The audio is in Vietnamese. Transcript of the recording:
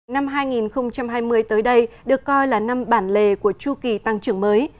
năm hai nghìn hai mươi tới đây được coi là năm bản lề của chu kỳ tăng trưởng mới